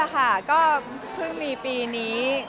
ไม่อะค่ะก็เพิ่งมีปีนี้